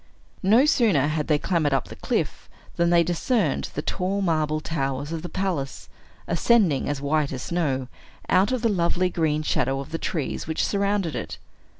No sooner had they clambered up the cliff, than they discerned the tall marble towers of the palace, ascending, as white as snow, out of the lovely green shadow of the trees which surrounded it.